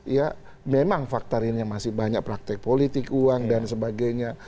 ya memang fakta ini masih banyak praktek politik uang dan sebagainya